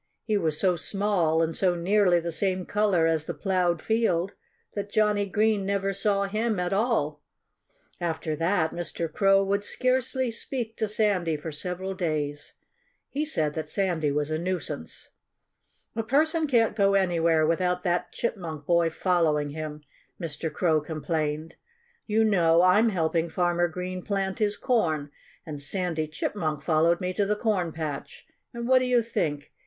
He was so small and so nearly the same color as the ploughed field that Johnnie Green never saw him at all. After that Mr. Crow would scarcely speak to Sandy for several days. He said that Sandy was a nuisance. "A person can't go anywhere without that Chipmunk boy following him," Mr. Crow complained. "You know, I'm helping Farmer Green plant his corn. And Sandy Chipmunk followed me to the corn patch. And what do you think?